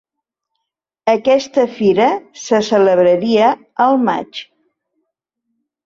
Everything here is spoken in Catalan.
Aquesta fira se celebraria al maig.